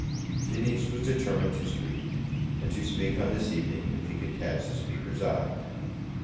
Phineas was determined to speak, and to speak on this evening if he could catch the Speaker's eye.